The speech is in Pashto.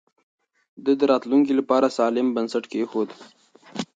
ده د راتلونکي لپاره سالم بنسټ پرېښود.